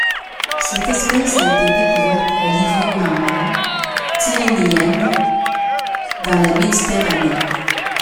Cette espèce a été découverte à Livourne en Mer Tyrrhénienne dans la Méditerranée.